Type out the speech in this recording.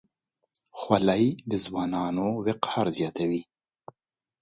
خولۍ د ځوانانو وقار زیاتوي.